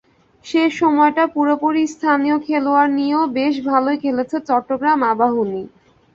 শেষ সময়টা পুরোপুরি স্থানীয় খেলোয়াড় নিয়েও বেশ ভালোই খেলেছে চট্টগ্রাম আবাহনী।